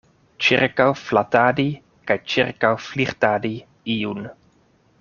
Ĉirkaŭflatadi kaj ĉirkaŭflirtadi iun.